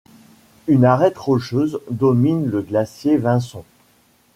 Une arête rocheuse domine le glacier Vinson.